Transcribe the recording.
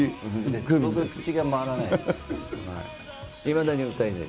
口が回らない。